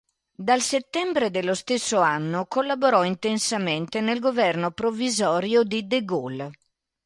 Dal settembre dello stesso anno collaborò intensamente nel governo provvisorio di De Gaulle.